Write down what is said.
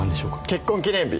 結婚記念日！